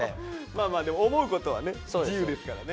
まあまあでも思うことはね自由ですからね。